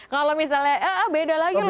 kalau misalnya ah beda lagi lah